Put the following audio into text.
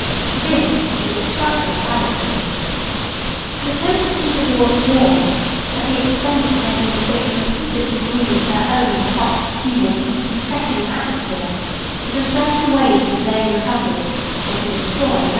This is a destructive fallacy. To attempt to keep a ward warm at the expense of making the sick repeatedly breathe their own hot, humid, putrescing atmosphere is a certain way to delay recovery or to destroy life.